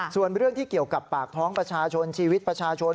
ส่วนเรื่องที่เกี่ยวกับปากท้องประชาชนชีวิตประชาชน